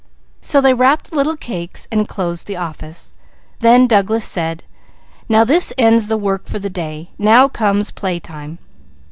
So they wrapped the little cakes and closed the office. Then Douglas said: "Now this ends work for the day. Next comes playtime."